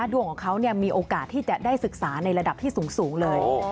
ดวงของเขามีโอกาสที่จะได้ศึกษาในระดับที่สูงเลย